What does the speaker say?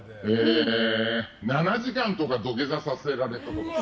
７時間とか土下座させられたとか。